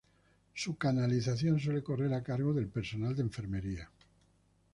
Su canalización suele correr a cargo del personal de enfermería.